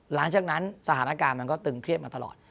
หลังจากนั้นสถานการณ์มันก็ตึงเครียดมาตลอด